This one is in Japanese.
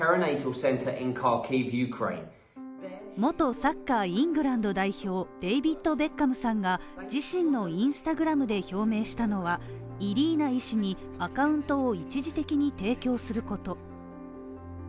元サッカーイングランド代表、デイビッド・ベッカムさんが自身のＩｎｓｔａｇｒａｍで表明したのがイリーナ医師にアカウントを一時的に提供すること。